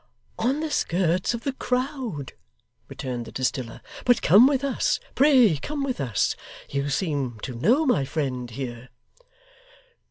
'On the skirts of the crowd,' returned the distiller; 'but come with us. Pray come with us. You seem to know my friend here?